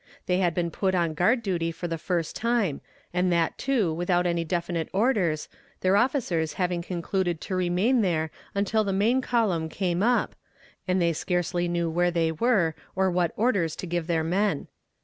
They had been put on guard duty for the first time, and that too without any definite orders, their officers having concluded to remain there until the main column came up, and they scarcely knew where they were or what orders to give their men.